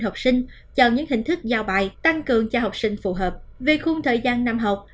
học sinh chọn những hình thức giao bài tăng cường cho học sinh phù hợp về khung thời gian năm học